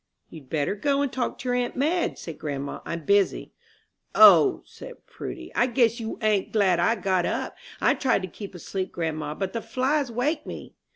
"You'd better go and talk to your aunt Madge," said grandma, "I'm busy." "O," said Prudy, "I guess you ain't glad I got up. I tried to keep asleep, grandma, but the flies waked me."